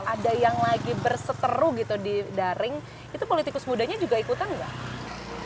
ada yang lagi berseteru gitu di daring itu politikus mudanya juga ikutan nggak